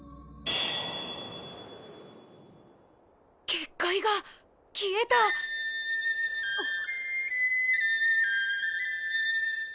結界が消えた！あっ。